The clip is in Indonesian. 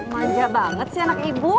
manja banget sih anak ibu